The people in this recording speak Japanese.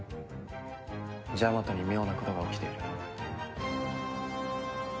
ジャマトに妙なことが起きている。